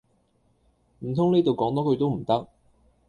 唔通呢度講多句都唔得